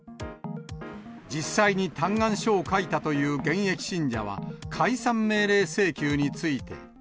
実際に嘆願書を書いたという現役信者は、解散命令請求について。